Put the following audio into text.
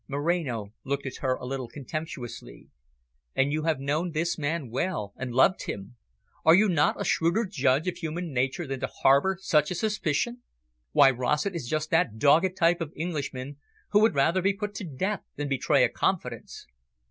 Moreno looked at her a little contemptuously. "And you have known this man well, and loved him! Are you not a shrewder judge of human nature than to harbour such a suspicion? Why, Rossett is just that dogged type of Englishman who would rather be put to death than betray a confidence."